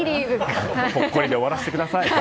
ほっこりで終わらせてください。